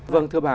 vâng thưa bà